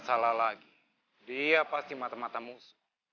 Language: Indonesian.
jangan jangan dia adalah mata mata musuh